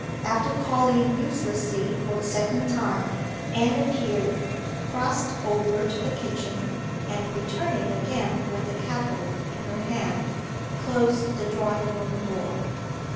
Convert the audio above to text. After calling uselessly for the second time, Anne appeared, crossed over to the kitchen; and, returning again with the kettle in her hand, closed the drawing room door.